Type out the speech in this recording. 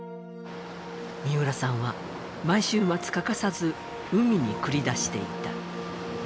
三浦さんは毎週末欠かさず海に繰り出していた。